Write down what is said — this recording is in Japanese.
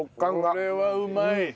これはうまい。